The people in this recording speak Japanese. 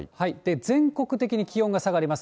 全国的に気温が下がります。